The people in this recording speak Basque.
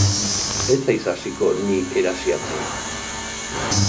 Ez haiz hasiko ni erasiatzen!